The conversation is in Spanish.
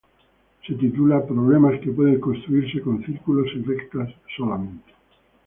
Se titula "Problemas que pueden construirse con círculos y rectas solamente.